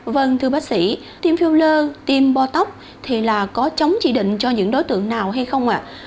vâng thưa bác sĩ tiêm filler tim bo tóc thì là có chống chỉ định cho những đối tượng nào hay không ạ